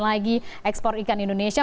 dan lagi ekspor ikan indonesia